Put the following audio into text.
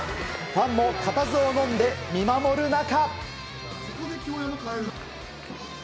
ファンも固唾をのんで見守る中。